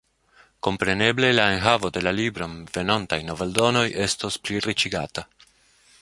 Kompreneble la enhavo de la libro en venontaj noveldonoj estos pliriĉigata.